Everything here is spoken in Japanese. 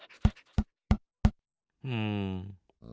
うん。